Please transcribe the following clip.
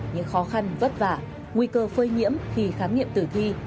những khó khăn vất vả nguy cơ phơi nhiễm khi khám nghiệm tử thi